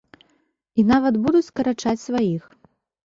І нават будуць скарачаць сваіх.